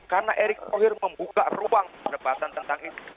karena erick sohir membuka ruang debatan tentang itu